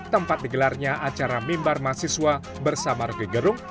tempat digelarnya acara mimbar mahasiswa bersama roky gerung